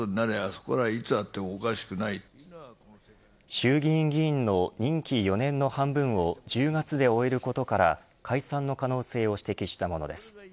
衆議院議員の任期４年の半分を１０月で終えることから解散の可能性を指摘したものです。